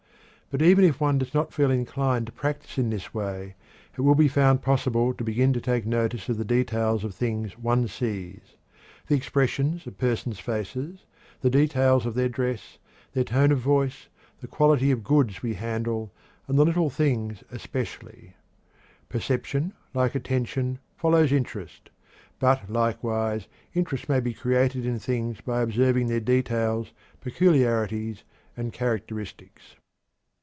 But even if one does not feel inclined to practice in this way, it will be found possible to begin to take notice of the details of things one sees, the expression of persons' faces, the details of their dress, their tone of voice, the quality of the goods we handle, and the little things especially. Perception, like attention, follows interest; but, likewise, interest may be created in things by observing their details, peculiarities, and characteristics.